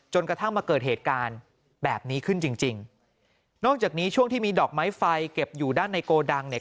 กระทั่งมาเกิดเหตุการณ์แบบนี้ขึ้นจริงจริงนอกจากนี้ช่วงที่มีดอกไม้ไฟเก็บอยู่ด้านในโกดังเนี่ย